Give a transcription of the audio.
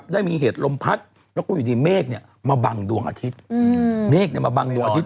ได้มีเหตุลมพัดแล้วก็อยู่ดีเมฆมาบังดวงอาทิตย์